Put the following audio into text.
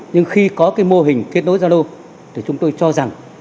nhưng khi có mô hình kết nối gia lô chúng tôi cho rằng